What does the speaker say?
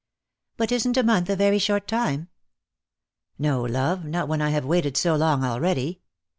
" But isn't a month a very short time ?"" No, love, not when I have waited so long already.